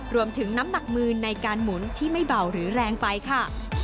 รวมถึงน้ำหนักมือในการหมุนที่ไม่เบาหรือแรงไปค่ะ